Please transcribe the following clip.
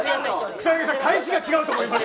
草なぎさん、返しが違うと思います。